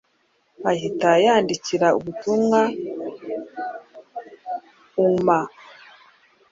ahita yandikira ubutumwa auma,